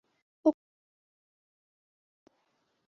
ওকে একটু চারপাশটা ঘুরে ঘুরে দেখাবো।